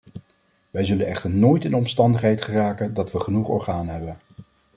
Wij zullen echter nooit in de omstandigheid geraken dat we genoeg organen hebben.